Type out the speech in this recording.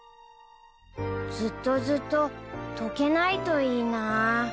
［ずっとずっととけないといいな］